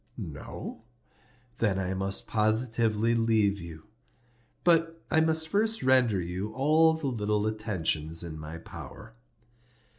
No? Then I must positively leave you. But I must first render you all the little attentions in my power."